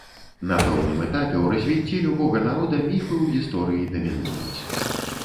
На пэўным этапе ў развіцці любога народа міфы ў гісторыі дамінуюць.